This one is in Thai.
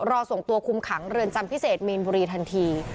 รอส่งตัวคุมขังเรือนจำพิเศษมีนบุรีทันที